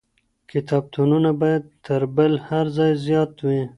کتابتونونه بايد تر بل هر ځای زيات وي.